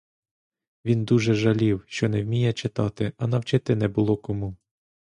Він дуже жалів, що не вміє читати, а навчити не було кому.